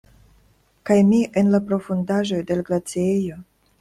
Kaj mi en la profundaĵoj de l' glaciejo?